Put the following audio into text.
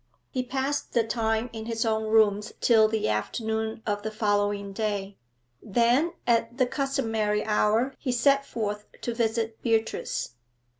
He passed the time in his own rooms till the afternoon of the following day; then, at the customary hour, he set forth to visit Beatrice.